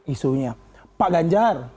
isunya pak ganjar